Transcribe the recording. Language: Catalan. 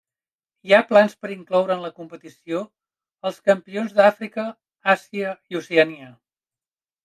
Hi ha plans per incloure en la competició els campions d'Àfrica, Àsia i Oceania.